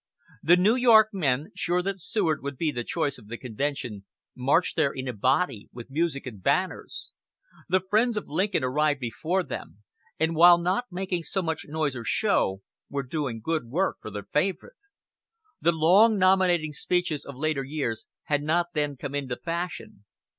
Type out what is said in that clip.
The New York men, sure that Seward would be the choice of the convention, marched there in a body, with music and banners. The friends of Lincoln arrived before them, and while not making so much noise or show, were doing good work for their favorite. The long nominating speeches of later years had not then come into fashion.